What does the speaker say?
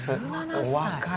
お若い。